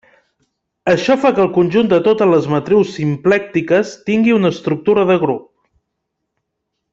Això fa que el conjunt de totes les matrius simplèctiques tingui una estructura de grup.